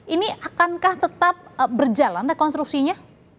ini akankah tetap berjalan rekonstruksinya